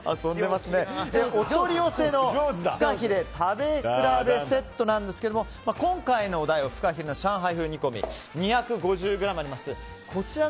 お取り寄せのフカヒレ食べくらべセットですが今回のお題はフカヒレの上海風煮込み２５０ｇあります。